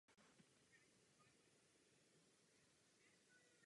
Narodil se v pražské měšťanské rodině.